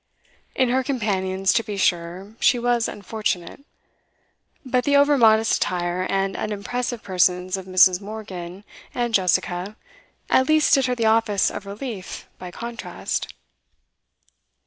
In her companions, to be sure, she was unfortunate; but the over modest attire and unimpressive persons of Mrs. Morgan and Jessica at least did her the office of relief by contrast.